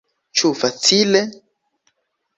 Ĉu facile?